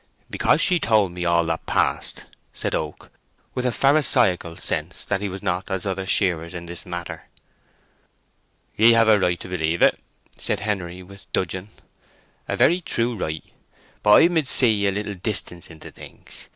"Because she told me all that passed," said Oak, with a pharisaical sense that he was not as other shearers in this matter. "Ye have a right to believe it," said Henery, with dudgeon; "a very true right. But I mid see a little distance into things!